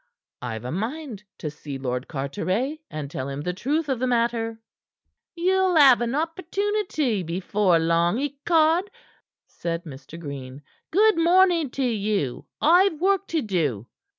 I've a mind to see Lord Carteret, and tell him the truth of the matter." "Ye shall have an opportunity before long, ecod!" said Mr. Green. "Good morning to you! I've work to do."